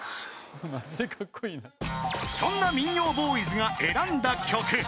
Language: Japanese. ［そんな民謡ボーイズが選んだ曲］